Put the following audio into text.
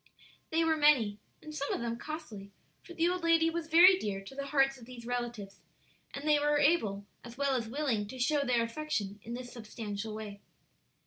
They were many, and some of them costly, for the old lady was very dear to the hearts of these relatives, and they were able as well as willing to show their affection in this substantial way.